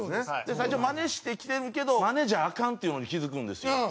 最初マネして着てるけどマネじゃアカンっていうのに気付くんですよ。